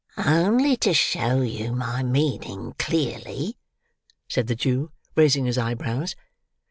"Only to show you my meaning clearly," said the Jew, raising his eyebrows.